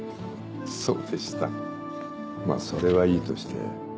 そうでしたまぁそれはいいとして。